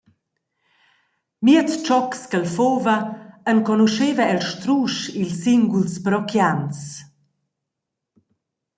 Miez tschocs ch’el fuva enconuscheva el strusch ils singuls parochians.